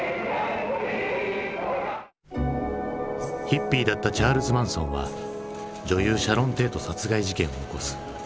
ヒッピーだったチャールズ・マンソンは女優シャロン・テート殺害事件を起こす。